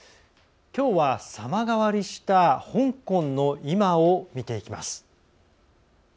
きょうは様変わりした香港の今を見ていきます。